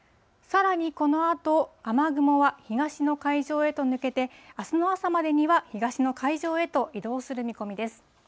さらにこのあと、雨雲は東の海上へと抜けて、あすの朝までには東の海上へと移動する見込みです。